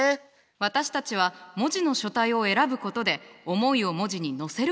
私たちは文字の書体を選ぶことで思いを文字にのせることができるの。